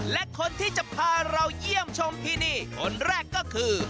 และคนที่จะพาเราเยี่ยมชมที่นี่คนแรกก็คือ